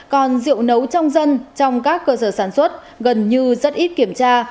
còn rượu nấu trong dân trong các cơ sở sản xuất gần như rất ít kiểm tra